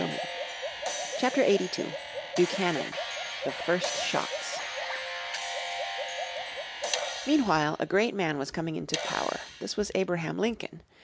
__________ Chapter 82 Buchanan The First Shots Meanwhile a great man was coming into power. This was Abraham Lincoln.